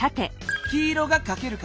黄色がかける数。